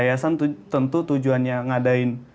yayasan tentu tujuannya ngadain